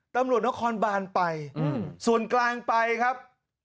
ตำรวจนครบานไปส่วนกลางไปครับ